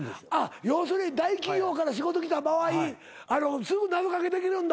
要するに大企業から仕事来た場合すぐ謎掛けできるんだ。